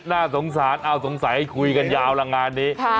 น่าสงสารเอาสงสัยคุยกันยาวละงานนี้